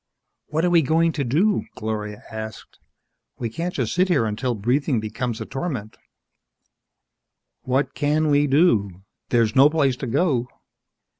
"What are we going to do?" Gloria asked. "We can't just sit here until breathing becomes a torment " "What can we do? There's no place to go!"